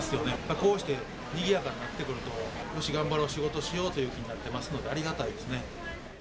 こうしてにぎやかになってくると、よし頑張ろう、仕事しようという気になってますのでありがたいですね。